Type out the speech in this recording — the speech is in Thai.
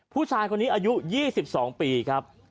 ผู้ชายคนนี้อายุ๒๒ปีครับ